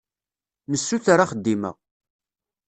Nessuter axeddim-a.